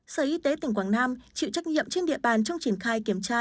sở y tế tỉnh quảng nam chịu trách nhiệm trên địa bàn trong triển khai kiểm tra